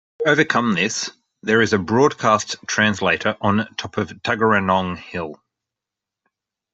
To overcome this, there is a broadcast translator on top of Tuggeranong Hill.